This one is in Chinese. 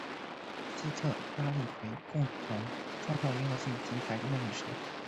西特拉利奎共同创造银河系及繁星的女神。